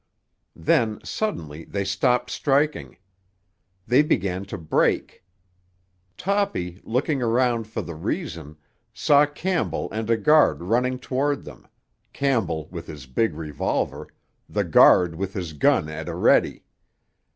Then, suddenly, they stopped striking. They began to break. Toppy, looking around for the reason, saw Campbell and a guard running toward them—Campbell with his big revolver, the guard with his gun at a ready.